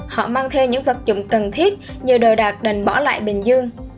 họ mang theo những vật dụng cần thiết nhờ đồ đạc đành bỏ lại bình dương